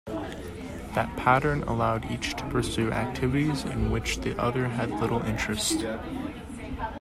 That pattern allowed each to pursue activities in which the other had little interest.